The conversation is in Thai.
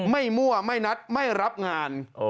มั่วไม่นัดไม่รับงาน